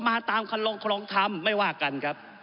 ก็มาตามคำลองทำไม่ว่ากันครับ